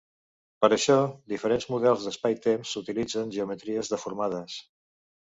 Per això, diferents models d'espai-temps utilitzen geometries deformades.